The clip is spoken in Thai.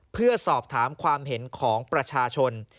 เพื่อสอบถามความเห็นของประชาชน